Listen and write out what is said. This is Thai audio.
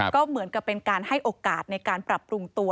ก็เหมือนกับเป็นการให้โอกาสในการปรับปรุงตัว